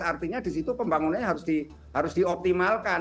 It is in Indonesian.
artinya disitu pembangunannya harus dioptimalkan